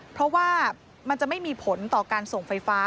เพราะว่ามันจะไม่มีผลต่อการส่งไฟฟ้า